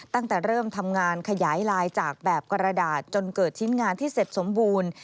ตั้งแต่เริ่มทำงานขยายลายจากแบบกระดาษจนเกิดชิ้นงานที่เสร็จสมบูรณ์